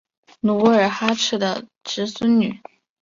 努尔哈赤的侄孙女。